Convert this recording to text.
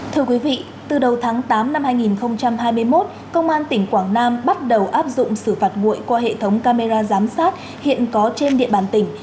thưa quý vị từ đầu tháng tám năm hai nghìn hai mươi một công an tỉnh quảng nam bắt đầu áp dụng xử phạt nguội qua hệ thống camera giám sát hiện có trên địa bàn tỉnh